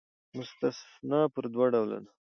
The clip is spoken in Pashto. مستثنی پر دوه ډوله ده.